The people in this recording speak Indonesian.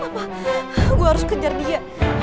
papa gue harus kejar dia